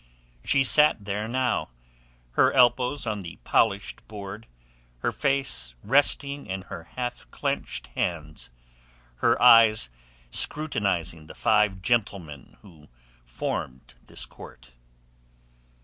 She sat there now, her elbows on the polished board, her face resting in her half clenched hands, her eyes scrutinizing the five gentlemen who formed this court.